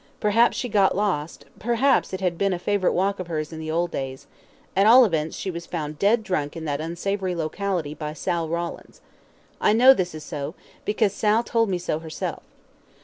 Perhaps she got lost perhaps it had been a favourite walk of hers in the old days; at all events she was found dead drunk in that unsavoury locality, by Sal Rawlins. I know this is so, because Sal told me so herself.